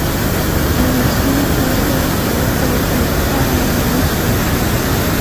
母亲则有德国与爱尔兰血统